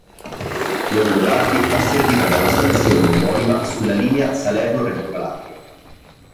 Longobardi è servita dalla stazione omonima sulla linea Salerno-Reggio Calabria.